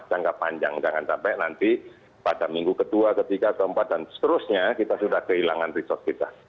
jangka panjang jangan sampai nanti pada minggu ke dua ke tiga ke empat dan seterusnya kita sudah kehilangan resource kita